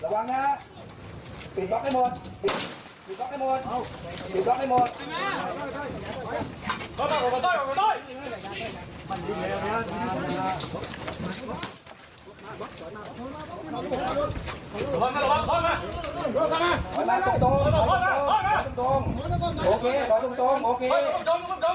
ยังไม่ยอมลงจากรถทดอยู่กับแก๊สน้ำตาได้